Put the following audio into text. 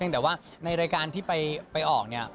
แต่ว่าในรายการที่ไปออกเนี่ย